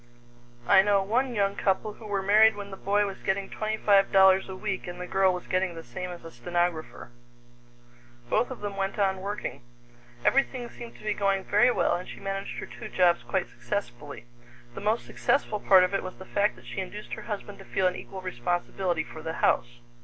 I know one young couple who were married when the boy was getting twenty five dollars a week and the girl was getting the same as a stenographer. Both of them went on working. Everything seemed to be going very well, and she managed her two jobs quite successfully. The most successful part of it was the fact that she induced her husband to feel an equal responsibility for the house.